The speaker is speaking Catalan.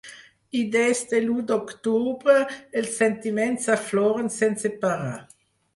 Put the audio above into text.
I des de l’u d’octubre els sentiments afloren sense parar.